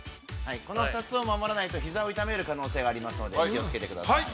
これを守らないと、ひざを痛める可能性がありますので気をつけてください。